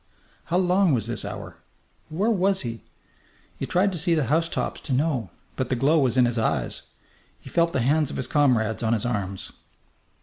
How long was this hour? Where was he? He tried to see the housetops to know, but the glow was in his eyes. He felt the hands of his comrades on his arms.